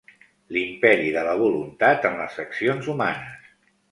L'imperi de la voluntat en les accions humanes.